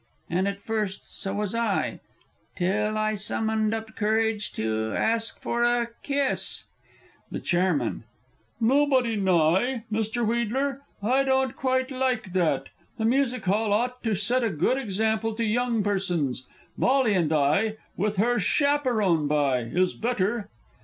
And (at first) so was I, Till I summoned up courage to ask for a kiss!" The Chairman. "Nobody nigh," Mr. Wheedler? I don't quite like that. The Music Hall ought to set a good example to young persons. "Molly and I with her chaperon by," is better.